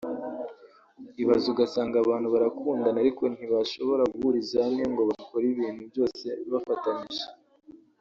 ibaze ugasanga abantu barakundana ariko ntibashobora guhuriza hamwe ngo bakore ibintu byose bafatanyije